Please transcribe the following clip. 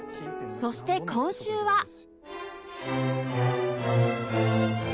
そして今週は